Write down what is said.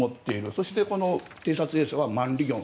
そして、この偵察衛星はマンリギョン。